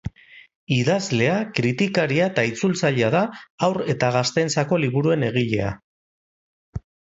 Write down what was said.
Idazlea, kritikaria eta itzultzailea da, haur eta gazteentzako liburuen egilea.